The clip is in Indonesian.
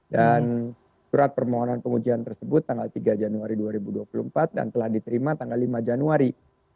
dan surat permohonan pengujian tersebut tanggal tiga januari dua ribu dua puluh empat dan telah diterima tanggal lima januari dua ribu dua puluh empat